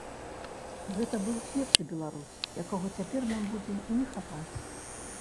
Гэта быў светлы беларус, якога цяпер нам будзе не хапаць.